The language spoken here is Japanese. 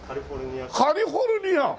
カリフォルニア州。